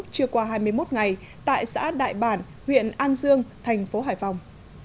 trưa qua hai mươi một ngày tại xã đại bản huyện an dương thành phố hải phòng